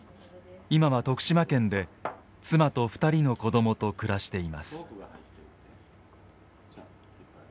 今は徳島県で妻と２人の子供と暮らしています。